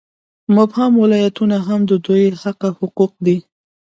مبهم ولایتونه هم د دوی حقه حقوق دي.